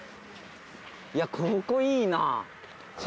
いやここいいな。